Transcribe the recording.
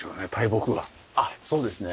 あっそうですね。